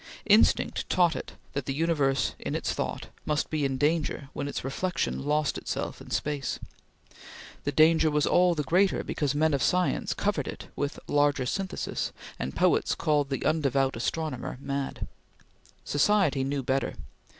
Instinct taught it that the universe in its thought must be in danger when its reflection lost itself in space. The danger was all the greater because men of science covered it with "larger synthesis," and poets called the undevout astronomer mad. Society knew better.